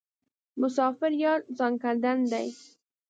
مسافر یار ځانکدن دی.